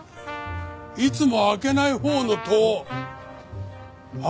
いつも開けないほうの戸を開けるか？